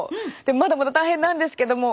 まだまだ大変なんですけども。